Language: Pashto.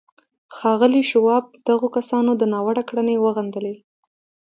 ښاغلي شواب د دغو کسانو دا ناوړه کړنې وغندلې